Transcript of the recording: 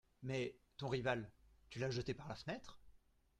Mais ton rival, tu l’as jeté par la fenêtre ?…